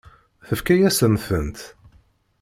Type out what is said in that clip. Tefka-yasent-tent?